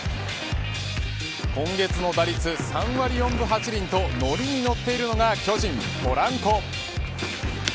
今月の打率３割４分８厘とのりに乗っているのが巨人ポランコ。